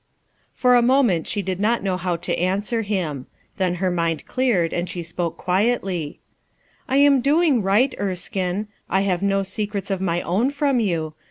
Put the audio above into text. For a moment she did not know how to an er him Then her mind cleared and she spoke quietly: — «I am doing right, Erskine; I have no se crets of my own from you.